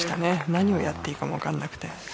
何をやっていいかも覚えていなくて。